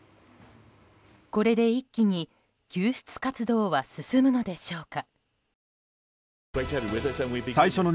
これで一気に救出活動は進むのでしょうか。